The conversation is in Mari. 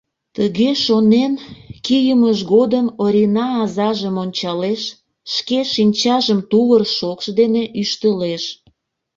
Тыге шонен кийымыж годым Орина азажым ончалеш, шке шинчажым тувыр шокш дене ӱштылеш...